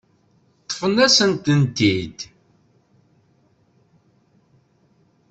Ṭṭfen-asen-ten-id.